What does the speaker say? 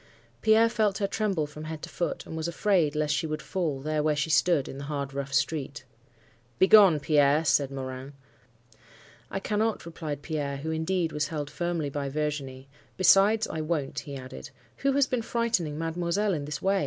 Pierre felt her tremble from head to foot, and was afraid lest she would fall, there where she stood, in the hard rough street. "'Begone, Pierre!' said Morin. "'I cannot,' replied Pierre, who indeed was held firmly by Virginie. 'Besides, I won't,' he added. 'Who has been frightening mademoiselle in this way?